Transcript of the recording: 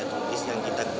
memecahkan rekor muri